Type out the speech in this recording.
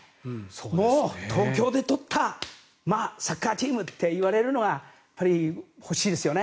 もう、東京で取ったサッカーチームと言われるのは欲しいですよね。